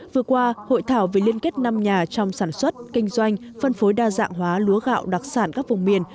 vừa qua hội thảo về liên kết năm nhà trong sản xuất kinh doanh phân phối đa dạng hóa lúa gạo đặc sản các vùng miền